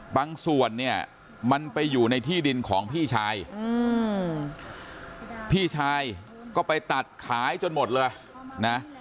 บางส่วนเนี่ยมันไปอยู่ในที่ดินของพี่ชายพี่ชายก็ไปตัดขายจนหมดเลยนะ